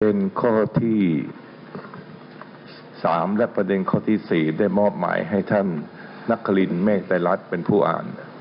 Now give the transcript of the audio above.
เป็นข้อที่๓และประเด็นข้อที่๔ได้มอบหมายให้ท่านนักคลินเมฆไทยรัฐเป็นผู้อ่าน